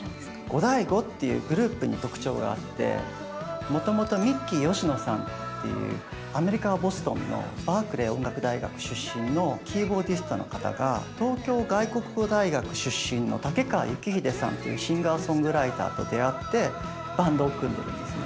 ゴダイゴっていうグループに特徴があってもともとミッキー吉野さんっていうアメリカのボストンのバークリー音楽大学出身のキーボーディストの方が東京外国語大学出身のタケカワユキヒデさんというシンガーソングライターと出会ってバンドを組んでるんですね。